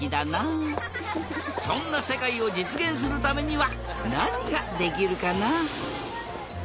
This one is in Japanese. そんなせかいをじつげんするためにはなにができるかな？